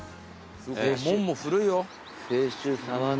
門も古いよ。